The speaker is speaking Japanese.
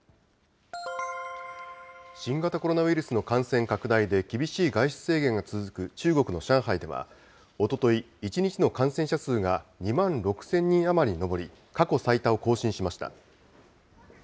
新型コロナウイルスの感染拡大で厳しい外出制限が続く中国の上海では、おととい、１日の感染者数が２万６０００人余りに上り、過去最多を更新しました。